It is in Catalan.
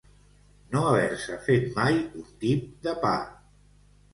No haver-se fet mai un tip de pa.